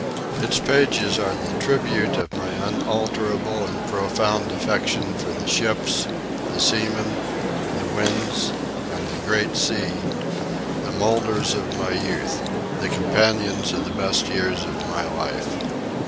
Its pages are the tribute of my unalterable and profound affection for the ships, the seamen, the winds and the great sea the moulders of my youth, the companions of the best years of my life.